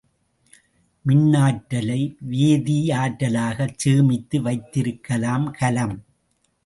மின்னாற்றலை வேதியாற்றலாகச் சேமித்து வைத்திருக்கும் கலம்.